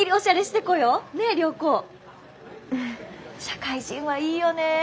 社会人はいいよねえ